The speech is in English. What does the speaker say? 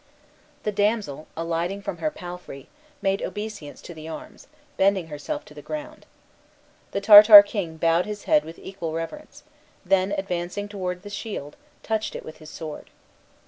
The damsel, alighting from her palfrey, made obeisance to the arms, bending herself to the ground. The Tartar king bowed his head with equal reverence; then advancing towards the shield, touched it with his sword.